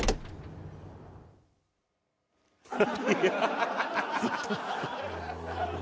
ハハハハ！